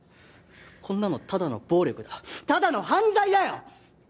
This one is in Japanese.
こんなのただの暴力だただの犯罪だよ！